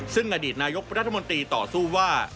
ซึ่งอดีตนายกรัฐมนตรีต่อสู้ว่า